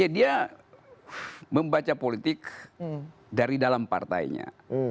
dia membaca politik dari dalam partainya